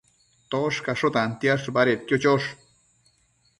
Toshcasho tantiash badedquio chosh